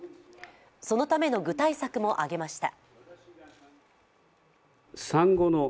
そのための具体策も上げました。